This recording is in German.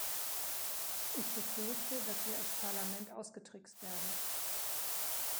Ich befürchte, dass wir als Parlament ausgetrickst werden.